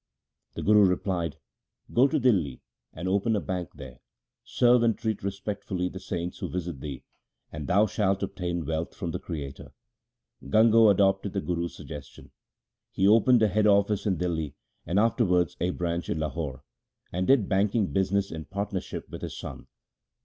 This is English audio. The Guru replied, ' Go to Dihli and open a bank there, serve and treat respectfully the saints who visit thee, and thou shalt obtain wealth from the Creator.' Gango adopted the Guru's suggestion. He opened a head office in Dihli, and afterwards a branch in Lahore, and did banking business in partnership with his son.